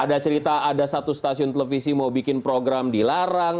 ada cerita ada satu stasiun televisi mau bikin program dilarang